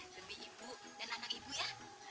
lebih ibu dan anak ibu ya